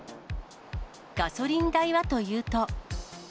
ガソリン代はというと。